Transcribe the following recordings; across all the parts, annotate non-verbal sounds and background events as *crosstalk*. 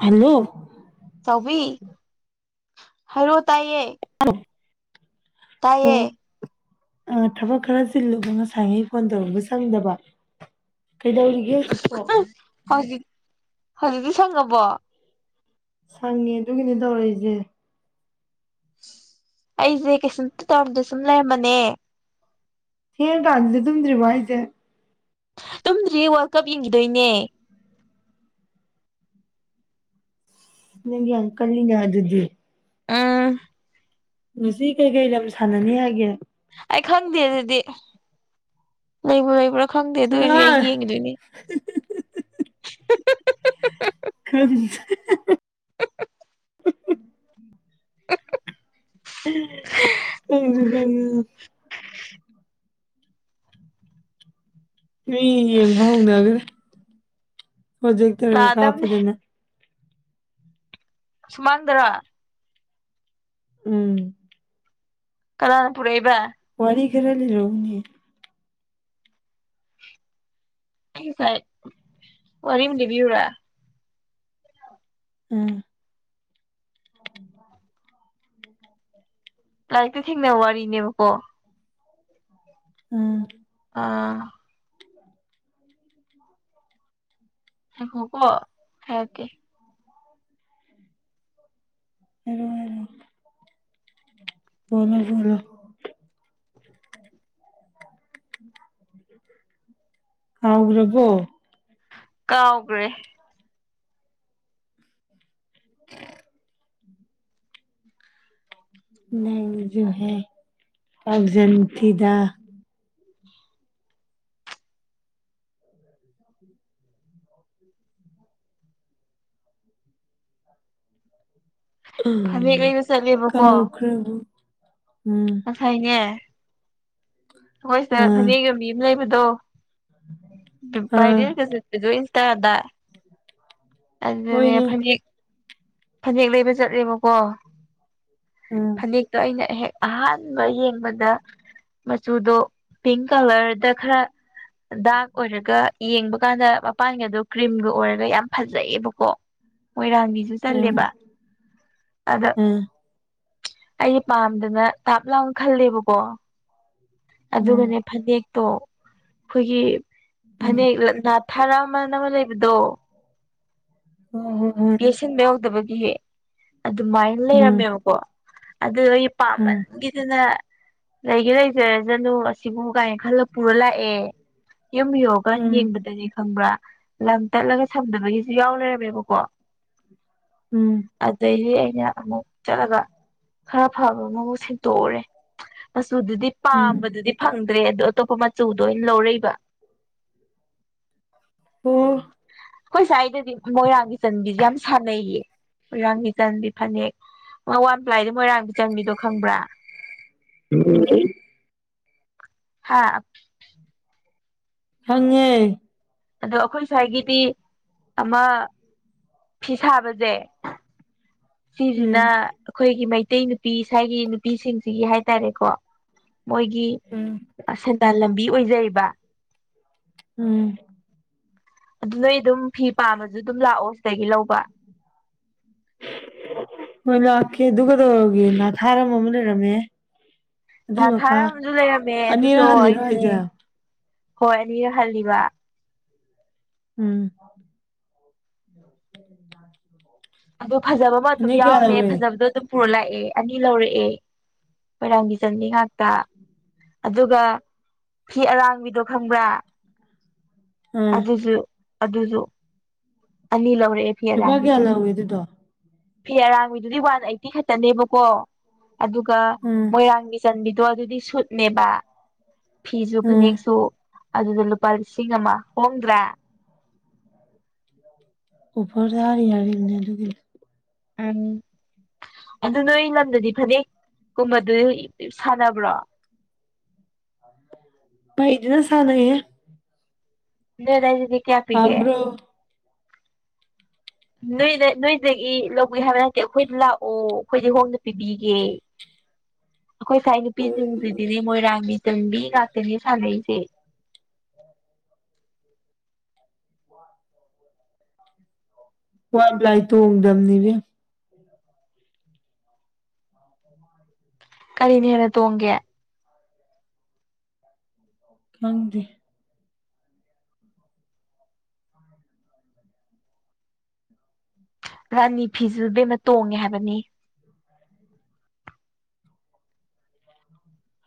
hello ꯆꯥꯎꯕꯤꯤ ꯍꯥꯏꯔꯣ ꯇꯥꯏꯌꯦ ꯎꯣ ꯇꯌꯦ ꯑ ꯊꯕꯛ ꯈꯔ ꯆꯤꯜꯂꯨꯕ ꯉꯁꯥꯏꯉꯩ ꯐꯣꯟ ꯇꯧꯔꯝꯕ ꯆꯪꯗꯕ ꯀꯩꯗꯧꯔꯤꯒꯦ ꯆꯄꯣ ꯍꯧꯖꯤꯗꯤ ꯁꯪꯉꯕꯣ ꯁꯪꯉꯦ ꯑꯗꯨꯒꯤꯅꯦ ꯇꯧꯔꯛꯏꯁꯦ ꯑꯩꯁꯦ ꯀꯩꯁꯟꯇ ꯇꯧꯔꯝꯗ ꯁꯨꯝ ꯂꯩꯔꯝꯃꯅꯦ ꯍꯦ ꯀꯗꯂꯤ ꯑꯗꯨꯝꯗ꯭ꯔꯤꯚꯏꯗꯦ ꯇꯨꯝꯗ꯭ꯔꯤ ꯋꯥꯔꯜ ꯀꯞ ꯌꯦꯡꯈꯤꯗꯣꯏꯅꯦ ꯃꯪꯒꯤ ꯑꯪꯀꯜꯅꯤ ꯌꯥꯗꯨꯗꯤ ꯑꯝ ꯉꯁꯤ ꯀꯩꯀꯩ ꯂꯝ ꯁꯥꯟꯅꯅꯤ ꯍꯥꯏꯒꯦ ꯑꯩ ꯈꯪꯗꯦ ꯑꯗꯨꯗꯤ ꯂꯩꯕ꯭ꯔꯥ ꯂꯩꯕ꯭ꯔꯥ ꯈꯪꯗꯦ ꯑꯗꯨ ꯑꯣꯏꯔꯁꯨ ꯑꯩ ꯁꯅꯥꯔꯣꯏ ꯌꯦꯡꯈꯤꯤꯗꯣꯏꯅꯦ ꯀ ꯊꯦꯡ ꯃꯤ ꯌꯦꯡꯕ ꯍꯧꯅꯒ꯭ꯔ ꯄꯣꯖꯦꯛꯇꯔꯒ ꯂꯥꯛꯑꯗꯕꯅꯦ ꯀꯥꯞꯄꯗꯅ ꯁꯨꯃꯥꯡꯗꯔ ꯎꯝ ꯀꯅꯥꯅ ꯄꯨꯔꯛꯕ ꯋꯥꯔꯤ ꯄꯨꯋꯥꯋꯥꯔꯤ ꯈꯔ ꯂꯩ ꯔꯎꯅꯤ ꯑꯩꯁꯥꯏ ꯋꯥꯔꯤꯝ ꯂꯤꯕꯤꯌꯎꯨꯔꯥ ꯎꯝ ꯂꯥꯏꯔꯤꯛꯇ ꯊꯦꯡꯅꯕ ꯋꯥꯔꯤꯅꯦꯕꯀꯣ ꯎꯝ ꯑꯥ ꯍꯒꯣ ꯍꯀꯦ ꯔꯣꯏꯔꯣ ꯍ ꯃꯂ ꯍꯥꯎ꯭ꯔꯔꯕꯣ ꯀꯥꯎꯈ꯭ꯔꯦ *inaudible* ꯅꯁꯨꯣꯍ ꯑꯣꯛꯖꯟ ꯊꯤꯗꯥ ꯐꯅꯦꯛ ꯀꯩꯅ ꯆꯠꯂꯦꯕꯀꯣ ꯀꯥꯎꯈ꯭ꯔꯕꯨ ꯎꯝ ꯑꯁꯥꯏꯅꯦ ꯑꯩꯈꯣꯏ ꯁꯤꯗ ꯑꯥ ꯐꯅꯦꯛꯒꯤ ꯃꯤ ꯑꯃ ꯂꯩꯕꯗꯣ ꯑꯥ ꯚꯥꯏꯔꯦꯜꯒꯗ ꯠꯇꯗ ꯑꯗꯨꯅꯦ ꯍꯣꯏꯅꯦ ꯐ ꯐꯅꯦꯛ ꯂꯩꯕ ꯆꯠꯂꯦꯕꯀꯣ ꯎꯝ ꯐꯅꯦꯛꯇꯣ ꯑꯩꯅ ꯍꯦꯛ ꯑꯍꯥꯟꯕ ꯌꯦꯡꯕꯗ ꯃꯆꯨꯗꯣ ꯄꯤꯡ ꯀꯂꯔꯗ ꯈꯔ ꯗꯥꯛ ꯑꯣꯏꯔꯒ ꯌꯦꯡꯕ ꯀꯥꯟꯗ ꯃꯄꯥꯟꯒꯗꯣ ꯀ꯭ꯔꯤꯝꯒ ꯑꯣꯏꯔꯒ ꯌꯥꯝ ꯐꯖꯩꯑꯕꯀꯣ ꯑꯣꯏꯣꯏꯔꯅꯤ ꯎꯝ ꯆꯜꯂꯦꯕ ꯑꯗꯣ ꯎꯝ ꯑꯩꯗꯤ ꯄꯥꯝꯗꯅ ꯇꯥꯞ ꯂꯅ ꯈꯜꯂꯦꯕꯀꯣ ꯎꯝ ꯑꯗꯨꯒꯅꯦ ꯐꯅꯦꯛꯇꯣ ꯑꯩꯈꯣꯏꯒꯤ ꯎꯝ ꯐꯅꯦꯛ ꯅꯥꯊꯥꯔꯝ ꯃꯅ ꯑꯃ ꯂꯩꯕꯗꯣ ꯍꯣꯏ ꯍꯣꯏ ꯍꯣꯏ ꯌꯦꯦꯠꯁꯤꯟꯕ ꯌꯥꯎꯗꯕꯒꯤꯍ ꯑꯗꯨꯃꯥꯏꯅ ꯎꯝ ꯂꯩꯔꯝꯃꯦꯕꯀꯣ ꯎꯝ ꯄꯥꯃꯒꯤꯅ ꯂꯩꯒꯦ ꯂꯩꯖꯔꯖꯅꯨ ꯑꯁꯤꯕꯨ ꯀꯥꯏꯅ ꯈꯜꯂ ꯄꯨꯔ ꯂꯥꯛꯑꯦ ꯌꯨꯝ ꯌꯣꯒ ꯎꯝ ꯌꯦꯡꯕꯗꯅꯤ ꯈꯪꯕ꯭ꯔꯥ ꯂꯝ ꯇꯠꯂꯒ ꯁꯝꯗꯕꯒꯤꯁꯨ ꯌꯥꯎ ꯂꯩꯔꯝꯃꯦꯕꯀꯣ ꯎꯝ ꯑꯗ ꯑꯩꯅ ꯆꯠꯂꯒ ꯈꯔ ꯐꯕ ꯑꯃꯕꯨ ꯁꯦꯡꯇꯣꯛꯎꯔꯦ ꯁꯨ ꯑꯗꯨꯗꯤ ꯎꯝ ꯄꯥꯝꯕꯗꯨꯗꯤ ꯐꯪꯗ꯭ꯔꯦ ꯑꯣ ꯑꯇꯣꯞꯄ ꯆꯨꯗ ꯑꯣꯏꯅ ꯂꯧꯔꯛꯏꯕ ꯎꯝ ꯑꯩꯈꯣꯏꯁꯦꯋꯥꯗꯗꯤ ꯃꯣꯏꯔꯥꯡꯒꯤ ꯆꯟꯕꯤꯁꯦ ꯌꯥꯝ ꯁꯥꯟꯅꯩꯌꯦ ꯃꯣꯏꯔꯥꯡ ꯃꯤꯆꯟꯗꯤ ꯐꯅꯦꯛ ꯑ ꯋꯥꯟ ꯄ꯭ꯂꯥꯏꯗꯤ ꯃꯣꯏꯔꯥꯡꯒꯤ ꯆꯟꯕꯤꯗꯣ ꯈꯪꯕ꯭ꯔꯥ ꯎꯝ ꯍꯥꯥ ꯍꯪꯉꯦ ꯑꯗꯣ ꯑꯩꯈꯣꯏ ꯁ꯭ꯋꯥꯏꯒꯤꯗꯤ ꯑꯃ ꯐꯤ ꯁꯥꯕꯁꯦ ꯎꯝ ꯁꯤꯁꯤꯅ ꯑꯩꯈꯣꯏꯒꯤ ꯃꯩꯇꯩ ꯅꯨꯄꯤ ꯏꯁꯥꯒꯤ ꯅꯨꯄꯤꯁꯤꯡꯁꯤꯒꯤ ꯍꯥꯏꯇꯥꯔꯦꯀꯣ ꯃꯣꯏꯒꯤ ꯎꯝ ꯁꯦꯟꯗꯥꯟ ꯂꯝꯕꯤ ꯑꯣꯏꯖꯔꯤꯕ ꯎꯝ ꯑꯗꯨ ꯅꯣꯏ ꯑꯗꯨꯝ ꯐꯤ ꯄꯥꯝꯝꯕꯁꯨ ꯑꯗꯨꯝ ꯂꯥꯛꯑꯣ ꯁꯤꯗꯒꯤ ꯂꯧꯕ ꯃꯣꯏ ꯂꯦ ꯗꯨꯀꯗ ꯑꯣꯏꯒꯅ ꯊꯔꯃ ꯃ ꯂꯩꯔꯃꯦ ꯊꯥꯔ ꯑꯃꯁꯁꯨ ꯂꯩꯔꯝꯃꯦ ꯑꯗꯨꯗꯣ ꯍꯜꯂꯤꯔꯣ ꯑꯩ ꯍꯥꯏꯁꯦ ꯍꯣꯏ ꯑꯅꯤꯔ ꯍꯜꯂꯤꯕ ꯎꯝ ꯣ ꯑꯗ ꯐꯖꯕ ꯑꯃ ꯑꯗꯨꯝ ꯌꯥꯎꯔꯝꯃꯦ ꯐꯖꯕꯗꯣ ꯑꯗꯨꯝ ꯄꯨꯔ ꯂꯥꯛꯑꯦ ꯑꯅꯤ ꯂꯧꯔꯛꯑꯦ ꯐꯪꯗꯤ ꯆꯪꯅꯤ ꯉꯥꯛꯇ ꯑꯗꯨꯒ ꯐꯤ ꯑꯔꯥꯡꯕꯤꯗꯣ ꯈꯪꯕ꯭ꯔꯥ ꯑꯥ ꯑꯗꯨꯁꯨ ꯑꯗꯨꯁꯨ ꯑꯅꯤ ꯂꯧꯧꯔꯦ ꯐꯤ ꯂꯨꯄꯥ ꯀꯌꯥ ꯌꯥꯔꯕꯤꯗꯨꯖ ꯂꯧꯏ ꯑꯗꯨꯗꯣ ꯐꯤ ꯑꯔꯥꯡꯕꯤꯗꯨꯗꯤ ꯋꯥꯟ ꯑꯩꯠꯇꯤ ꯈꯛꯇꯅꯦꯕꯀꯣ ꯑꯗꯨꯒ ꯎꯝ ꯃꯣꯏꯔꯥꯡꯕꯤ ꯆꯟꯕꯤꯗꯨ ꯑꯣ ꯑꯗꯨꯗꯤ ꯁꯨꯠꯅꯦꯕ ꯐꯤꯁꯨ ꯎꯝ ꯐꯅꯦꯛꯁꯨ ꯑꯗꯨꯗ ꯂꯨꯄꯥ ꯂꯤꯁꯤꯡ ꯑꯃ ꯍꯣꯡꯗ꯭ꯔꯦ ꯔꯤ ꯌꯥꯔꯅꯦ ꯑꯗꯨ ꯎꯝ ꯑꯗꯨ ꯅꯣꯏ ꯂꯝꯗꯗꯤ ꯐꯅꯦꯛꯀꯨꯝꯕꯗꯨ ꯁꯥꯟꯅꯕ꯭ꯔꯣ ꯄꯩꯗꯤꯅ ꯁꯅꯌꯦꯦ ꯦꯔ ꯍꯥꯏ ꯐꯥꯝꯕ꯭ꯔꯣ ꯅꯣꯏꯗ ꯅꯣꯏꯗꯒꯤ ꯂꯧꯕꯒꯦ ꯍꯥꯏꯕ ꯅꯠꯇꯦ ꯑꯩꯈꯣꯏꯗ ꯂꯥꯛꯑꯣ ꯑꯩꯈꯣꯏꯗꯤ ꯍꯣꯡꯅ ꯄꯤꯕꯤꯒꯦ *unintelligible* ꯑꯩꯈꯣꯏ ꯉꯥꯏ ꯅꯨꯄꯤꯁꯤꯡꯁꯤꯗꯤꯅꯦ ꯃꯣꯏꯔꯥꯡꯃꯤꯁ ꯆꯝꯕꯤ ꯀꯥꯛꯇꯅꯤ ꯁꯥꯟꯅꯁꯦ ꯋꯥ ꯂꯏ ꯇ ꯑꯣꯗꯗꯝꯅꯤꯕ ꯀꯔꯤꯅꯤ ꯍꯥꯏꯅ ꯇꯣꯡꯒꯦ ꯍꯪꯗ ꯔꯥꯅꯤ ꯐꯤꯁꯨ ꯕꯦꯝꯅ ꯇꯣꯡꯉꯦ ꯍꯥꯏꯕꯅꯤ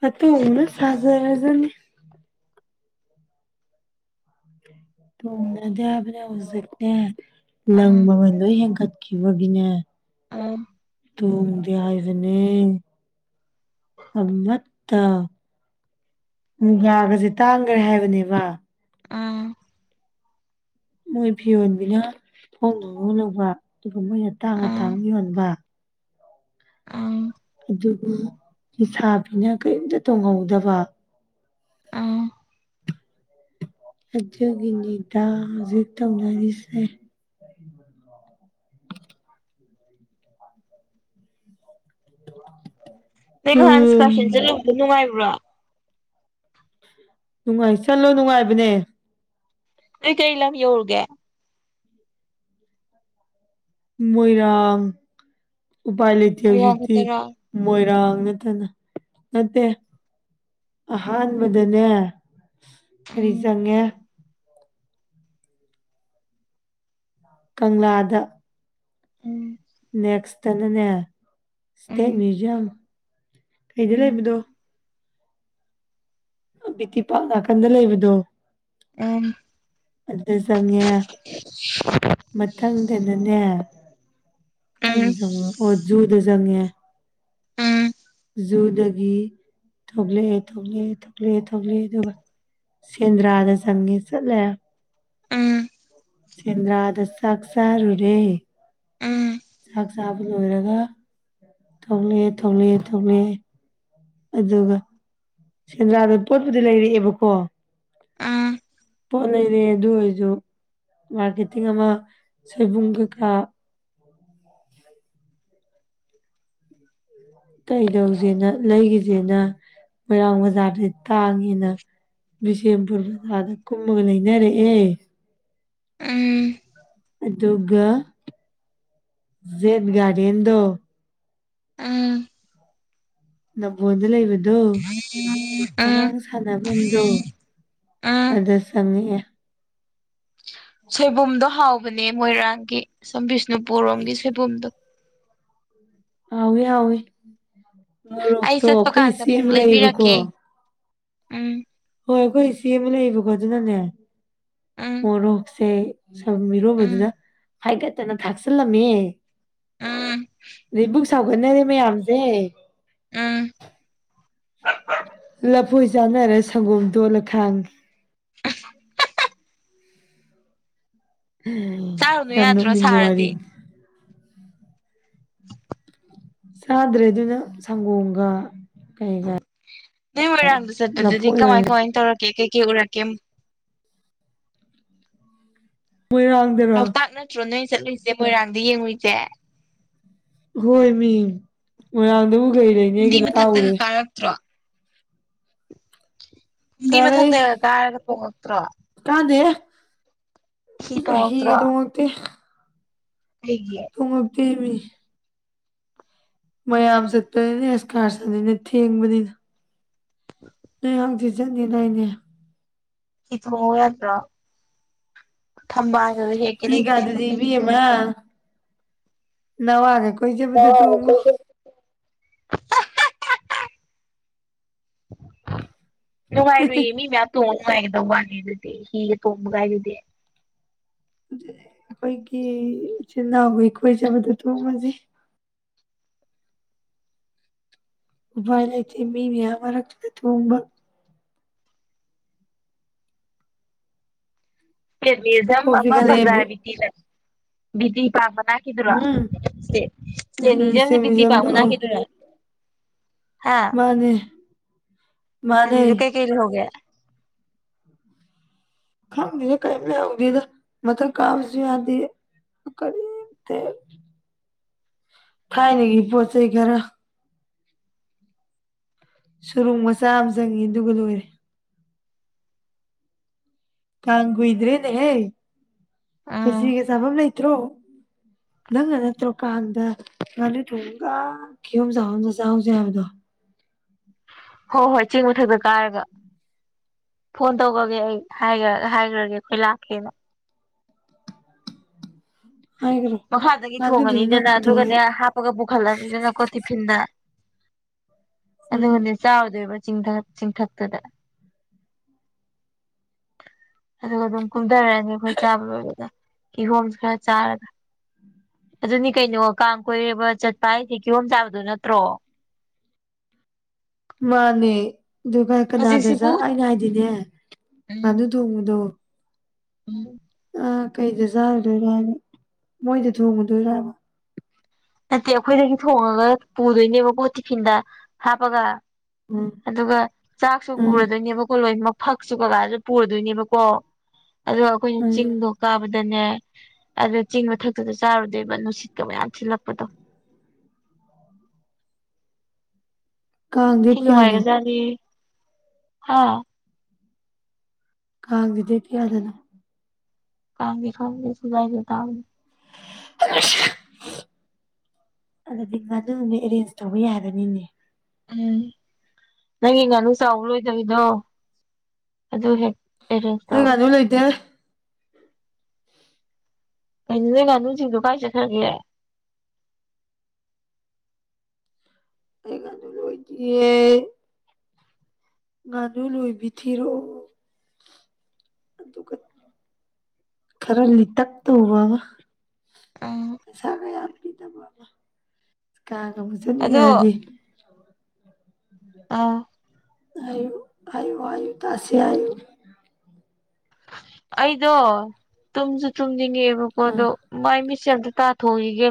ꯑꯠꯇ ꯑꯣꯅ ꯁꯥꯖꯔꯖꯅꯤ ꯇꯨꯡꯅꯗꯕꯅ ꯍꯧꯖꯛꯇꯦ ꯎꯝ ꯂꯪꯝꯕ ꯂ ꯍꯒ ꯀꯕꯒꯤꯅꯦ ꯎꯝ ꯇꯣꯡꯣꯡꯗ ꯍꯥꯏꯗꯅꯦ ꯍꯝꯕꯠꯇ ꯎ ꯌꯥꯒꯁꯦ ꯇꯥꯡꯈ꯭ꯔꯦ ꯍꯥꯏꯕꯅꯦꯕ ꯑꯥ ꯃꯣꯏ ꯐꯤꯔꯣꯟꯕꯤꯅ ꯍꯣꯡꯅ ꯂꯧꯕ ꯁꯤꯒꯨꯝꯕ ꯌꯥꯝ ꯇꯥꯡꯉ ꯇꯥꯡ ꯌꯣꯟꯕ ꯑ ꯑꯗꯨꯕꯨ ꯂꯩꯁꯥꯕꯤꯅ ꯀꯔꯤꯝꯇ ꯇꯣꯡꯍꯧꯗꯕ ꯑꯥ ꯖꯒꯤꯅꯤꯗꯥꯖꯤ ꯇꯅꯁꯦ ꯑꯣ *inaudible* ꯅꯪ ꯍꯟꯁꯀꯁꯟꯁꯦ ꯎꯝ ꯂꯧꯕ ꯅꯨꯡꯉꯥꯏꯕ꯭ꯔꯥ ꯅꯨꯡꯉꯥꯏ ꯆꯠꯂꯣ ꯅꯨꯡꯉꯥꯏꯕꯅꯦ ꯑꯩꯣꯏ ꯀꯔꯤ ꯂꯝ ꯌꯧꯔꯒ ꯃꯣꯏꯔꯥꯡ ꯎꯄꯥꯏ ꯂꯩꯇꯦ ꯃꯣꯏꯔꯥꯡ ꯍꯧꯖꯤꯛꯇꯤ ꯈꯛꯇꯔꯥ ꯃꯣꯏꯔꯥꯡ ꯅꯠꯇꯅ ꯅꯠꯇꯦ ꯑꯍꯥꯟꯕꯗꯅꯦ ꯀꯔꯤ ꯎꯝ ꯆꯪꯉꯦ ꯀꯪꯂꯥꯗ ꯎꯝ ꯅꯦꯛꯁꯅꯅꯦ ꯁꯇꯦꯠ ꯎꯝ ꯃ꯭ꯌꯨꯖꯝ ꯀꯩꯗꯤ ꯎꯝ ꯂꯩꯕꯗꯣ ꯕꯤꯇꯤ ꯄꯥ ꯅꯥꯀꯟꯗ ꯂꯩꯕꯗꯣ ꯎꯝ ꯑꯗꯨꯗ ꯆꯉꯦ ꯃꯊꯪꯗꯅꯅꯦ ꯀꯥꯏꯅ ꯎꯝ ꯆꯪꯂ ꯑꯣꯖꯨꯗ ꯆꯪꯦ ꯎꯝ ꯖꯨꯗꯒꯤ ꯊꯣꯛꯂꯛꯑꯦ ꯊꯣꯛꯂꯛꯑꯦ ꯊꯣꯛꯂꯛꯑꯦ ꯊꯣꯛꯂꯛꯑꯦ ꯑꯗꯨꯒ ꯁꯦꯟꯗ꯭ꯔꯥꯗ ꯆꯪꯉꯦ ꯆꯠꯂꯦ ꯎꯝ ꯎꯝ ꯎꯝ ꯆꯗ꯭ꯔꯥꯗ ꯁꯥꯛꯁꯔꯔꯦ ꯆꯥꯛ ꯆꯥꯕ ꯂꯣꯏꯔꯒ ꯊ ꯊꯣꯛꯂꯛꯑꯦ ꯊ ꯊꯣꯛꯂꯑꯦ ꯊ ꯊꯣꯛꯂꯛꯑꯦ ꯑꯗꯨꯒ ꯁꯦꯟꯗ꯭ꯔꯥꯗ ꯄꯣꯠꯄꯨꯗꯤ ꯂꯩꯔꯛꯑꯦꯕꯀꯣ ꯎꯝ ꯐꯣꯅꯦꯗꯤ ꯑꯗꯨ ꯑꯗꯨ ꯏꯗꯨ ꯃꯥꯦꯇꯤꯉꯃ ꯁꯕꯨꯡ ꯀ ꯀꯥ ꯀꯩꯗꯧꯁꯤꯦꯅ ꯂꯩꯒꯤꯁꯤꯦꯅ ꯃꯣꯏꯔꯥꯡ ꯕꯖꯥꯔꯗ ꯇꯥꯡꯉꯦꯅ ꯕꯤꯁꯦꯝꯄꯨꯔ ꯕꯖꯥꯔꯗ ꯀꯨꯝꯃꯒ ꯂꯩꯅꯔꯛꯑꯦ ꯎꯝ ꯑꯗꯨꯒꯒ ꯖꯦꯠ ꯒꯥꯔꯤꯗꯣ ꯎꯝ ꯅꯝꯕꯣꯟꯗ ꯂꯩꯕꯗꯣ ꯎꯝ ꯑꯉꯥꯡ ꯁꯥꯟꯅꯐꯝꯗꯣ ꯎꯝ ꯑꯗꯉꯦ ꯁꯣꯏꯕꯨꯝꯗꯣ ꯍꯥꯎꯕꯅꯦ ꯃꯣꯏꯔꯥꯡꯒꯤ ꯁꯝ ꯕꯤꯁꯅꯨꯄꯨꯔꯣꯝꯒꯤ ꯁꯣꯏꯕꯨꯝꯗꯣ ꯍꯥꯎꯋꯤ ꯍꯥꯎꯋꯦ ꯑꯩ ꯃꯣꯔꯣꯛꯇꯣ ꯆꯠꯄ ꯑꯩꯈꯣꯏ ꯀꯥꯟꯗ ꯏꯆ ꯑꯃꯨꯛ ꯑꯃ ꯂꯩꯌꯦꯕꯀꯣ ꯂꯩꯕꯤꯔꯛꯀꯦ ꯎꯝ ꯍꯣꯏ ꯑꯩꯈꯣꯏ ꯏꯆꯦ ꯑꯃ ꯂꯩꯌꯦꯕꯀꯣ ꯑꯗꯨꯅꯅꯦ ꯎꯝ ꯃꯣꯔꯣꯛꯁꯦ ꯁ ꯎꯝ ꯏꯔꯣꯕꯗꯨꯅ ꯍꯥꯏꯀꯠꯇꯅ ꯊꯥꯛꯆꯤꯜꯂꯝꯃꯦ ꯎꯝ ꯕꯨꯛ ꯁꯥꯎꯒꯟꯅꯔꯦ ꯃꯌꯥꯝꯁꯦ ꯎꯝ ꯂꯐꯣꯏ ꯆꯥꯟꯅꯔꯦ ꯁꯪꯒꯣꯝ ꯇꯣꯜꯂ ꯈꯥꯡꯉ ꯎ ꯆꯥꯔꯨꯅꯨ ꯌꯥꯝꯗꯝ ꯌꯥꯗ꯭ꯔꯣ ꯃꯤꯕ ꯁꯥꯔꯗꯤ ꯋꯥꯔꯤꯔꯤ *inaudible* ꯆꯥꯗ꯭ꯔꯦ ꯑꯗꯨꯅ ꯁꯪꯒꯣꯝꯒ ꯀꯩꯒ ꯅꯣꯏ ꯃꯣꯏꯔꯥꯡꯗ ꯆꯠꯄꯗꯨꯗꯤ ꯂꯐꯣꯏ ꯀꯃꯥꯏ ꯑꯣꯏꯅ ꯀꯃꯥꯏ ꯇꯧꯔꯛꯀꯦ ꯀꯩ ꯀꯩ ꯎꯔꯛꯀꯦ ꯃꯣꯏꯔꯥꯡꯗꯔꯣ ꯂꯥꯎꯇꯥꯛ ꯅꯠꯇ꯭ꯔꯣ ꯅꯣꯏ ꯆꯠꯂꯨꯏꯁꯦ ꯃꯣꯏꯔꯥꯡꯗ ꯌꯦꯡꯉꯨꯏꯁꯦ ꯍꯣꯏ ꯃꯤ ꯃꯌꯥꯝꯗ ꯎꯒꯩ ꯂꯩꯅꯦꯒ ꯐꯨꯝꯗꯤ ꯇꯥ ꯃꯊꯛꯇꯒ ꯎꯔꯦ ꯃ ꯊꯗ ꯇꯠꯇ꯭ꯔ ꯀꯥꯟꯗꯦ ꯍꯤ ꯇꯣꯡꯉꯛꯇ꯭ꯔꯣ ꯍꯤꯒꯗꯣꯉꯛꯇꯦ ꯍꯥꯏꯒꯤꯦ ꯀꯕꯤ ꯃꯌꯥꯝ ꯆꯠꯄꯅꯦ ꯑꯁ ꯀꯥꯔ ꯆꯠꯅꯤꯅꯦ ꯊꯦꯡꯕꯅꯤꯅ ꯅ ꯍꯪꯆꯤ ꯆꯠꯅꯤꯅꯏꯅꯦ ꯏꯃ ꯌꯥꯗ꯭ꯔ ꯊꯝꯕꯥ ꯍꯦꯒ ꯂ ꯂꯩꯇꯦ ꯀꯄ ꯍ ꯇꯅꯤꯡꯕ ꯅ ꯋꯥꯒꯦ ꯀꯣꯏ ꯆꯦꯕꯗꯨ ꯇꯨ ꯎꯕ ꯅꯨꯡꯉꯥꯏꯔꯨꯏꯌꯦꯃꯤ ꯃ ꯊꯨꯡ ꯉꯥꯏꯗ ꯋꯥꯅꯤ ꯑꯗꯨꯗꯤ ꯍꯤꯒ ꯇꯣꯡꯕꯒꯥꯏꯗꯨꯗꯤ ꯑꯩꯈꯣꯏꯒꯤ ꯏꯆꯤꯟꯜ ꯏꯅꯥꯎꯒ ꯏ ꯀꯣꯏꯖꯕꯗꯨ ꯇꯣꯡꯉꯁꯩ ꯎꯄꯥꯏ ꯂꯩꯇꯦ ꯃꯤ ꯃꯌꯥꯝ ꯃꯔꯛꯛꯇꯨꯗ ꯊꯣꯡꯕ ꯖꯝ ꯀꯣꯛ ꯑꯃ ꯆꯤꯛꯈꯠꯂꯛꯑꯦꯕꯨ ꯐꯖꯥꯔ ꯕꯤꯇꯤꯗ ꯕꯤꯇꯤ ꯄꯥ ꯎꯝ ꯅꯥꯈꯤꯗꯨꯔꯖꯦ ꯎꯝ ꯎꯝ ꯁ꯭ꯇꯦ ꯄꯕꯤꯇ ꯄ ꯃ꯭ꯌꯨꯖꯤꯌꯝꯗꯣ ꯑ ꯅꯅꯥꯈꯤꯗꯨꯔ ꯍꯥꯥ ꯃꯥꯅꯦ ꯃꯥꯅꯦ ꯀꯩ ꯀꯩ ꯍꯒꯦ ꯈꯪꯗꯦꯅꯦꯦ ꯀꯩꯝ ꯂꯩꯎꯗꯦꯗ ꯃꯊꯛ ꯀꯥꯕꯁꯨ ꯌꯥꯗꯦ ꯀꯔꯤ ꯊꯥꯏꯅꯒꯤ ꯄꯣꯠ ꯆꯩꯩ ꯈꯔ ꯁꯨꯔꯨꯡ ꯃꯆꯥ ꯑꯃ ꯆꯪꯉꯤ ꯑꯗꯨꯒ ꯂꯣꯏꯔꯦ ꯀꯒꯨ ꯏꯗ꯭ꯔꯦꯅꯦꯍꯦ ꯎꯝ ꯈꯁꯤꯒ ꯁꯕꯕ ꯂꯩꯩꯇ꯭ꯔꯣ ꯅꯪꯅ ꯅꯠꯇ꯭ꯔꯣꯀꯥꯟꯗ ꯉꯥꯅꯨ ꯊꯣꯡꯒ ꯀꯤꯍꯣꯝ ꯆꯥꯍꯣꯗ ꯆꯍꯁꯦ ꯍꯥꯏꯕꯗꯣ ꯍꯣꯏ ꯍꯣꯏ ꯆꯦꯡ ꯃꯊꯛꯇ ꯀꯥꯔꯒ ꯐꯣꯟ ꯇꯧꯈꯒꯦ ꯑꯩ ꯍꯥꯏꯈ꯭ꯔꯒꯦ ꯑꯩꯈꯣꯏ ꯂꯥꯛꯀꯦꯅ ꯍꯥꯏꯈ꯭ꯔꯣ ꯃꯈꯥꯗꯒꯤ ꯉꯥꯅꯨꯗꯨꯅ ꯅꯪ ꯊꯣꯡꯉꯅꯤꯗꯅ ꯄꯨꯊꯣꯛꯑꯦ ꯑꯗꯨꯒꯅꯦ ꯍꯥꯞꯄꯒ ꯄꯨꯈꯠꯂꯅꯤꯗꯅꯀꯣ ꯇꯤꯐꯤꯟꯗ ꯑꯗꯨꯗ ꯎꯝ ꯃꯅꯦ ꯆꯥꯎꯗ ꯃ ꯆꯤꯡ ꯆꯤꯡꯊꯛꯇꯨꯗ ꯑꯗꯨꯒ ꯑꯗꯨꯝ ꯀꯨꯝꯊꯔꯛꯑꯅꯤ ꯑꯩꯈꯣꯏ ꯆꯥꯕ ꯂꯣꯏꯕꯗ ꯀꯤꯍꯣꯝꯁ ꯈꯔ ꯆꯥꯔꯒ ꯑꯗꯨꯅꯤ ꯀꯩꯅꯣ ꯀꯥꯡ ꯀꯣꯏꯔꯕ ꯆꯠꯄ ꯍꯥꯏꯁꯦ ꯀꯤꯌꯣꯝ ꯆꯥꯕꯗꯨꯣ ꯅꯠꯇ꯭ꯔꯣ ꯃꯥꯅꯦ ꯑꯗꯨ ꯚꯥꯏ ꯀꯅꯥꯗ ꯍꯧꯖꯤꯛꯁꯤꯕꯨ ꯑꯩꯅ ꯍꯥꯏꯗꯤꯅꯦ ꯎꯝ ꯉꯥꯅꯨ ꯊꯣꯡꯕꯗꯣ ꯎꯝ ꯑꯥ ꯀꯩꯗ ꯆꯥꯔꯨꯗꯣꯏꯔ ꯍꯥꯏꯕ ꯃꯣꯏꯗꯤ ꯊꯣꯡꯉꯨꯗꯣꯏꯔꯕ ꯅꯠꯇꯦ ꯑꯩꯈꯣꯏꯗꯒꯤ ꯊꯣꯡꯉꯒ ꯄꯨꯗꯣꯏꯅꯦꯕꯀꯣ ꯇꯤꯐꯤꯟꯗ ꯍꯥꯞꯄꯒ ꯎꯝ ꯑꯗꯨꯒ ꯆꯥꯛꯁꯨ ꯎꯝ ꯄꯨꯔꯗꯣꯏꯅꯦꯕꯀꯣ ꯂꯣꯏꯅꯃꯛ ꯐꯛꯁꯨ ꯀꯀꯥꯁꯨ ꯄꯨꯔꯗꯣꯏꯅꯦꯕꯀꯣ ꯑꯗꯨꯒ ꯑꯩꯈꯣꯏꯅ ꯎꯝ ꯆꯤꯡꯗꯣ ꯀꯥꯕꯗ ꯅꯦ ꯑꯗꯨꯗ ꯆꯤꯡꯕꯊꯛꯇꯨꯗ ꯆꯥꯔꯨꯗꯣꯏꯕ ꯅꯨꯡꯁꯤꯠꯀ ꯃꯌꯥꯝ ꯊꯤꯜꯂꯛꯄ ꯀꯥꯡ ꯗꯦꯠ ꯀꯌꯥꯅꯣ ꯊꯤꯅꯉꯒꯖꯅꯤ ꯍꯥꯥ ꯀꯗꯗꯦ ꯀꯌꯥꯗꯅ ꯀꯥꯟ ꯈꯥꯡꯦꯁꯨꯗꯥꯥꯏꯗ ꯇ *unintelligible* ꯑꯗꯨꯗꯤ ꯉ ꯑꯗꯨ ꯑꯦꯔꯦꯟꯖ ꯇꯧꯕ ꯌꯥꯒꯅꯤꯅꯦ ꯎꯝ ꯅꯪꯒꯤ ꯉꯥꯅꯨ ꯆꯥꯎꯕ ꯂꯣꯏꯗꯕꯤꯗꯣ ꯑꯗꯨ ꯍꯦꯛ ꯑꯦꯔꯦꯟꯖ ꯑꯩ ꯇꯧꯔꯣ ꯉꯒꯥꯅ ꯂꯩꯇꯦ ꯀꯩꯅꯅꯦ ꯉꯥꯅꯨꯁꯤꯡꯗꯣ ꯀꯥꯏ ꯆꯠꯈ꯭ꯔꯒꯦ ꯍꯀꯥꯟꯗ ꯂꯣꯏꯗꯤꯌꯦ ꯅꯨ ꯂꯣꯏ ꯤꯊꯤꯔꯣ ꯑꯗꯨꯒ ꯈꯔ ꯂꯤꯇꯛ ꯇꯨꯕ ꯎꯝ ꯄꯩꯁꯥ ꯀꯌꯥꯗꯕꯤꯤꯗꯕ ꯀ ꯌꯥꯝ ꯆꯠꯅꯤꯡꯉꯦ ꯑꯗꯣ ꯍꯥꯏꯗꯤ ꯑꯥ ꯍꯥꯏꯌꯨ ꯍꯥꯏꯌꯨ ꯍꯥꯏꯌꯨ ꯇꯥꯁꯦ ꯍꯥꯏꯌꯨ ꯑꯩꯗꯣ ꯇꯨꯝꯁꯨ ꯇꯨꯝꯅꯤꯡꯉꯦꯕꯀꯣ ꯑꯥ ꯑꯗꯣ ꯃꯥꯏ ꯃꯤꯁ ꯆꯗ ꯊꯥꯠꯣꯣꯏꯒ